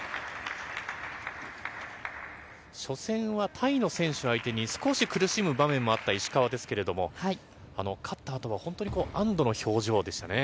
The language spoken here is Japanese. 初戦はタイの選手を相手に、少し苦しむ場面もあった石川ですけれど、勝ったあとは本当に安ど